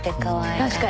確かに。